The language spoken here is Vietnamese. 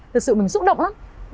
thực sự mình xúc động lắm